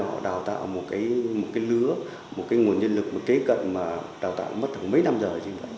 họ đào tạo một cái lứa một cái nguồn nhân lực kế cận mà đào tạo mất thẳng mấy năm giờ